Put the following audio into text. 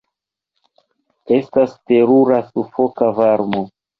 Estas terura sufoka varmo.